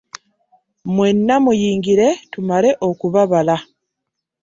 Mwenna muyingire tumale okubabala.